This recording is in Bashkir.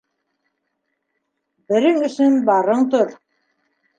Берең өсөн барың тор